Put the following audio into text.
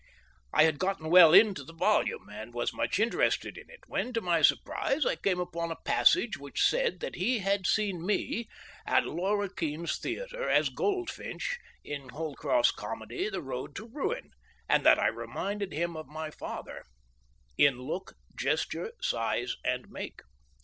I had gotten well into the volume, and was much interested in it, when to my surprise I came upon a passage which said that he had seen me at Laura Keene's theater as Goldfinch in Holcroft's comedy of "The Road to Ruin," and that I reminded him of my father "in look, gesture, size, and make."